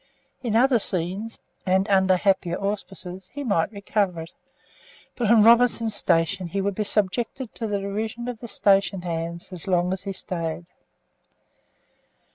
In other scenes, and under happier auspices, he might recover it, but on Robinson's station he would be subjected to the derision of the station hands as long as he stayed.